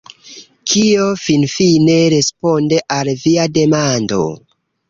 Kio finfine responde al via demando?